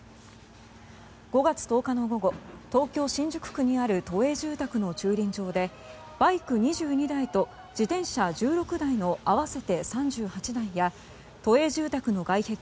５月１０日の午後東京・新宿区にある都営住宅の駐輪場でバイク２２台と自転車１６台の合わせて３８台や都営住宅の外壁